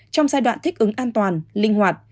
trong giai đoạn thích ứng an toàn linh hoạt